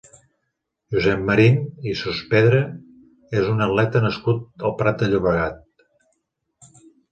Josep Marín i Sospedra és un atleta nascut al Prat de Llobregat.